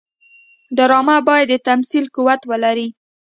ډرامه باید د تمثیل قوت ولري